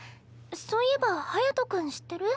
そういえば隼君知ってる？